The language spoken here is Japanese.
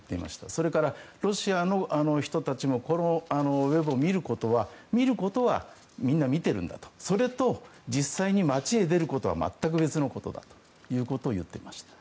それから、ロシアの人たちもこのウェブを見ることはみんな見てるんだとそれと実際に街へ出ることは全く別のことだということを言っていました。